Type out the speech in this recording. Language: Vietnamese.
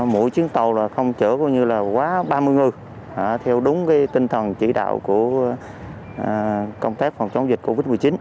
mỗi chuyến tàu không chở quá ba mươi người theo đúng tinh thần chỉ đạo của công tác phòng chống dịch covid một mươi chín